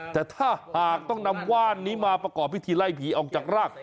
แต่ถ้าหากต้องนำว่านนี้มาประกอบพิธีไล่ผีออกจากราก